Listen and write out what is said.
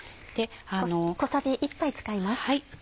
小さじ１杯使います。